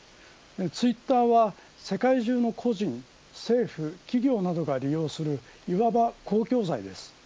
ツイッターは世界中の個人政府、企業などが利用しいわば公共財です。